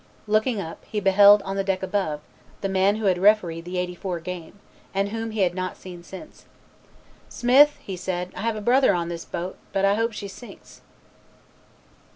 Looking up he beheld on the deck above, the man who had refereed the '84 game, and whom he had not seen since, "Smith," he said, "I have a brother on this boat, but I hope she sinks."